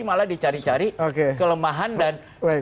malah dicari cari kelemahan dan